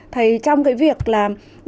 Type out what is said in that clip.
thầy trong cái việc là